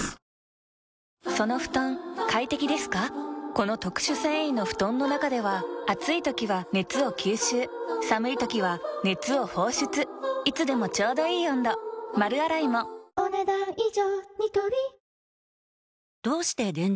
この特殊繊維の布団の中では暑い時は熱を吸収寒い時は熱を放出いつでもちょうどいい温度丸洗いもお、ねだん以上。